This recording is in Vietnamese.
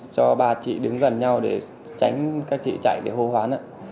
cho ba chị đứng gần nhau để tránh các chị chạy để hô hoán ạ